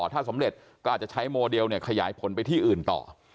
ถ้าสำเร็จก็อาจจะใช้โมเดลขยายผลไปที่อื่นต่อ